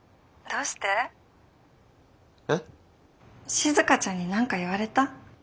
静ちゃんに何か言われた？